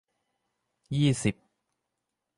ยี่สิบ